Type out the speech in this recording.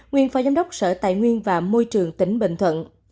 nguyên phó giám đốc sở tài nguyên và môi trường tỉnh bình thuận